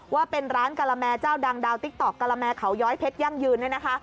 ว่าเป็นร้านกะละแมร์เจ้าดังดาวติ๊กต๊อกกะละแมร์เขาย้อยเพชยั่งยืน